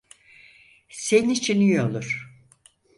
Senin için iyi olur.